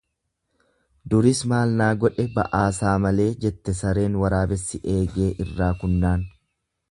Duris maal naa godhe ba'aasaa malee jette sareen waraabessi eegee irraa kunnaan.